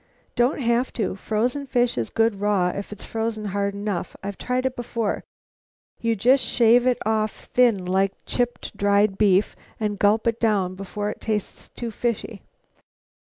"Don't have to. Frozen fish is good raw if it's frozen hard enough. I've tried it before. You just shave it off thin like chipped dried beef and gulp it right down before it tastes too fishy."